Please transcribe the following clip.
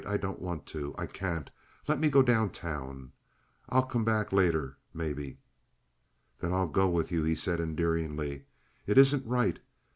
I don't want to. I can't. Let me go down town. I'll come back later, maybe." "Then I'll go with you," he said, endearingly. "It isn't right.